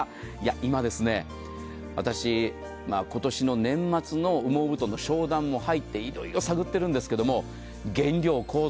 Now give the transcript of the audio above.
今、私、今年の年末の羽毛布団の商談も入っていろいろ探ってるんですけど、原料高騰。